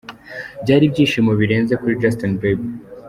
Byari ibyishimo birenze kuri Justin Bieber.